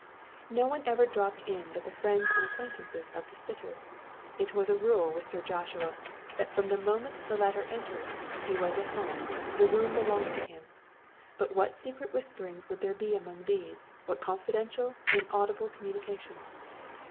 No one ever dropped in but the friends and acquaintance of the sitter â€" it was a rule with Sir Joshua that from the moment the latter entered, he was at home â€" the room belonged to him â€" but what secret whisperings would there be among these, what confidential, inaudible communications